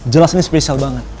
jelas ini spesial banget